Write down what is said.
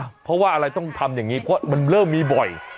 เพราะว่าอะไรต้องทำอย่างนี้เพราะมันเริ่มมีบ่อย